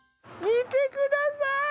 見てください！